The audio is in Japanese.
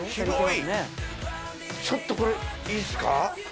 ちょっとこれいいっすか？